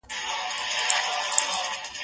زه اوږده وخت انځور ګورم وم،